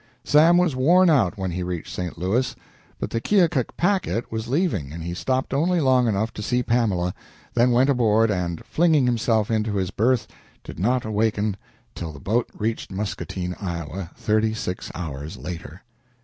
Sam was worn out when he reached St. Louis; but the Keokuk packet was leaving, and he stopped only long enough to see Pamela, then went aboard and, flinging himself into his berth, did not waken until the boat reached Muscatine, Iowa, thirty six hours later.